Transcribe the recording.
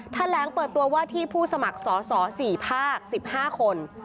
แถลงเปิดตัวว่าที่ผู้สมัครสอสอ๔ภาค๑๕คน